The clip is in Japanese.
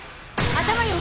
頭よ！